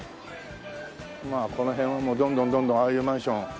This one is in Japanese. まあこの辺はもうどんどんどんどんああいうマンション。